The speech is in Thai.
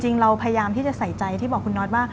เราพยายามที่จะใส่ใจที่บอกคุณน็อตว่า